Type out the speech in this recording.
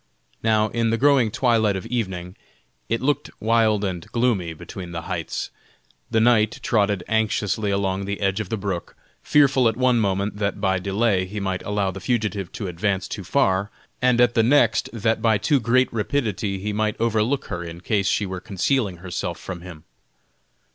Now, in the growing twilight of evening, it looked wild and gloomy between the heights. The knight trotted anxiously along the edge of the brook, fearful at one moment that by delay he might allow the fugitive to advance too far, and at the next that by too great rapidity he might overlook her in case she were concealing herself from him.